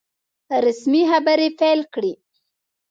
رسمي خبري پیل کړې.